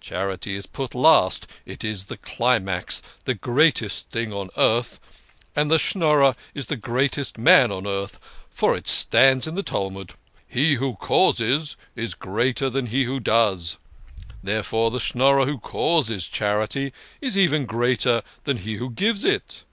Charity is put last it is the climax the greatest thing on earth. And the Schnorrer is the greatest man on earth; for it stands in the Talmud, ' He who causes is greater than he who does.' Therefore, the Schnorrer who causes charity is even greater than he who gives it."